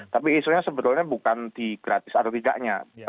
tapi isunya sebetulnya bukan di gratis atau tidaknya